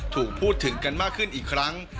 ถูกพูดถึงกันมากขึ้นอีกครั้ง